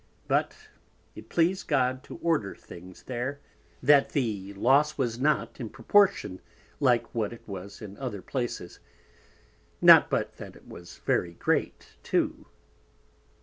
But it pleas'd God to order Things there, that the loss was not in Proportion like what it was in other Places, not but that it was very great too.